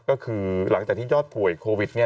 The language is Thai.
ก็คือหลังจากที่ยอดป่วยโควิดเนี่ย